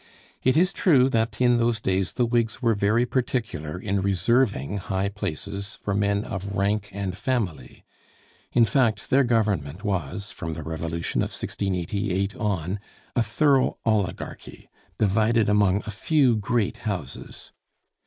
It is true that in those days the Whigs were very particular in reserving high places for men of rank and family. In fact, their government was, from the Revolution of 1688 on, a thorough oligarchy, divided among a few great houses.